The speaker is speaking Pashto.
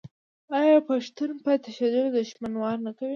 آیا پښتون په تښتیدلي دښمن وار نه کوي؟